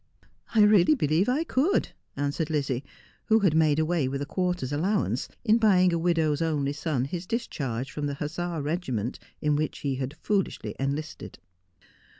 ' I really believe I could,' answered Lizzie, who had made away with a quarter's allowance in buying a widow's only son his discharge from the Hussar regiment in which he had foolishly enlisted.